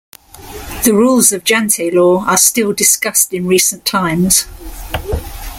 The rules of Jante Law are still discussed in recent times.